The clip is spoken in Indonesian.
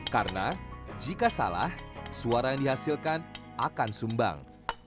karena jika salah suara yang dihasilkan akan sumbang